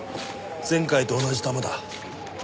前回と同じ弾だ。